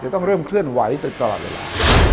ต้องเริ่มเคลื่อนไหวไปตลอดเวลา